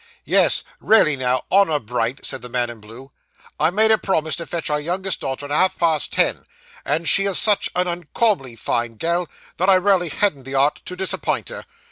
'Yes; raly now, honour bright,' said the man in blue. 'I made a promese to fetch our youngest daughter at half past ten, and she is such an uncauminly fine gal, that I raly hadn't the 'art to disappint her.